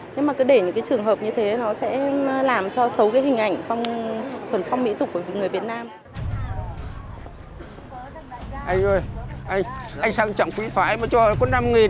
nhưng mà cứ để những cái trường hợp như thế nó sẽ làm cho xấu cái hình ảnh thuần phong mỹ tục của người việt nam